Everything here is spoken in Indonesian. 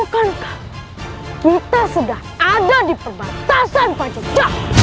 kita sudah ada di perbatasan pancok